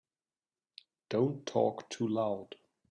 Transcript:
Don't talk too loud.